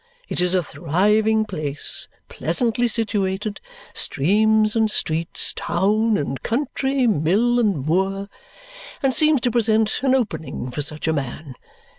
It is a thriving place, pleasantly situated streams and streets, town and country, mill and moor and seems to present an opening for such a man.